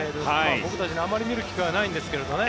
僕たちは、あまり見る機会はないんですけどね。